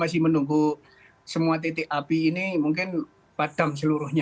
jadi menunggu semua titik api ini mungkin padam seluruhnya